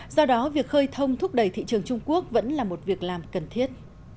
do đó việc khơi thông thúc đẩy thị trường trung quốc vẫn là một việc làm cần thiết